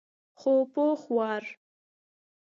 خو پوخ وار.